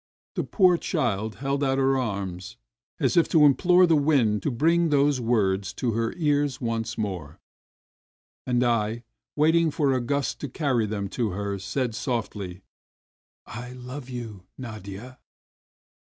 The poor child held out her arms as if to implore the wind to bring those words to her ears once more. And I, waiting for a gust to carry them to her, said softly: "I love you, Nadia!"